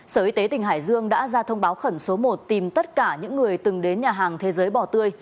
sở y tế tỉnh hải dương đã ra thông báo khẩn số một tìm tất cả những người từng đến nhà hàng thế giới bò tươi